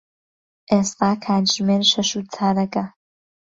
ئێستا کاتژمێر شەش و چارەگە.